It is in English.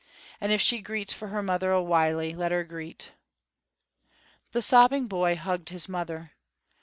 And if she greets for her mother a whiley, let her greet." The sobbing boy hugged his mother.